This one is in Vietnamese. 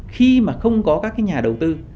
khi mà không có các cái nhà đầu tư